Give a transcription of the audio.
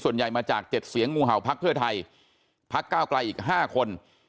ส่วนใหญ่มาจาก๗เสียงงูเห่าพรรคเพื่อไทยพรรคเก้าไกลอีก๕คน